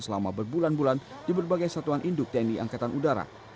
selama berbulan bulan di berbagai satuan induk tni angkatan udara